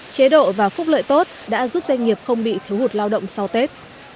chế độ và phúc lợi tốt đã giúp doanh nghiệp không bị thiếu hụt lao động sau tết